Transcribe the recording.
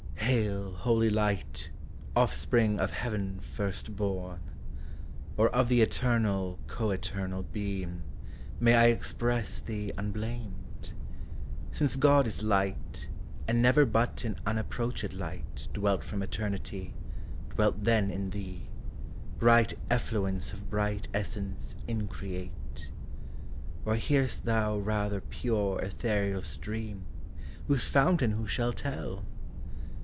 Hail, holy Light, offspring of Heaven first born! Or of the Eternal coeternal beam May I express thee nnblamed? since God is light, And never but in unapproaehed light Dwelt from eternity, dwelt then in thee, Bright effluence of bright essence increate! Or hear'st thou rather pure ethereal stream, Whose fountain who shall tell?